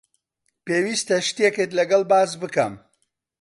پێویستە شتێکت لەگەڵ باس بکەم.